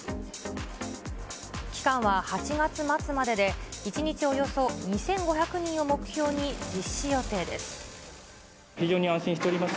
期間は８月末までで、１日およそ２５００人を目標に実施予定です。